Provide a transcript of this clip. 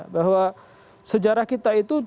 bahwa sejarah kita itu